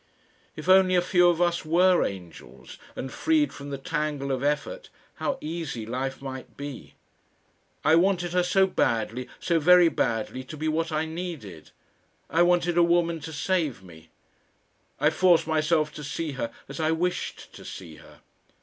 If only a few of us WERE angels and freed from the tangle of effort, how easy life might be! I wanted her so badly, so very badly, to be what I needed. I wanted a woman to save me. I forced myself to see her as I wished to see her.